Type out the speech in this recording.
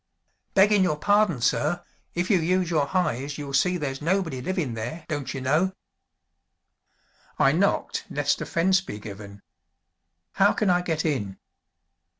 "Beggin' your pardon, sir, if you use your heyes you'll see there's nobody livin' there, don't you know!" "I knocked lest offense be given. How can I get in?"